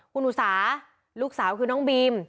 คุณอุสาลูกสาวคือน้องบีม